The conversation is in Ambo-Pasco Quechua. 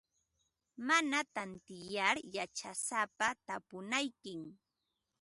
Mana tantiyar yachasapata tapunaykim.